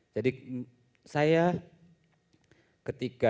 jadi saya ketika menginginkan untuk menginginkan terhubung ke ibu saya